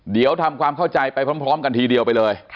เดี๋ยวทำความเข้าใจไปพร้อมกันทีเดียวไปเลย